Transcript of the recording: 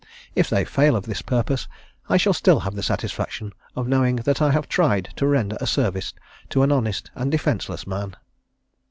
If they fail of this purpose I shall still have the satisfaction of knowing that I have tried to render a service to an honest and defenceless man.